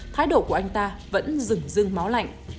thái độ của anh ta vẫn rừng rưng máu lạnh